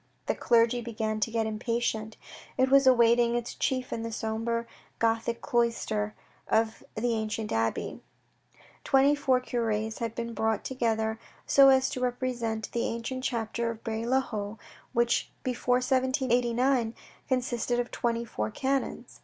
The clergy began to get impatient. It was awaiting its chief in the sombre Gothic cloister of the ancient abbey. Twenty four cures had been brought together so as to repre sent the ancient chapter of Bray le Haut, which before 1789 consisted of twenty four canons.